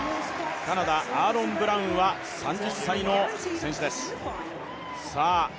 カナダアーロン・ブラウンは３０歳の選手です。